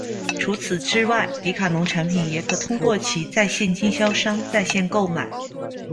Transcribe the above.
除此之外，迪卡侬产品也可通过其在线经销商在线购买。